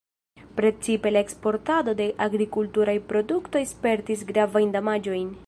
Precipe la eksportado de agrikulturaj produktoj spertis gravajn damaĝojn.